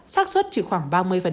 sát xuất chỉ khoảng ba mươi